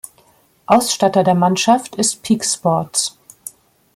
Ausstatter der Mannschaft ist Peak Sports.